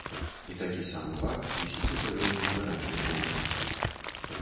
І такі самы пах вісіць у паветры ў гарачыя поўдні.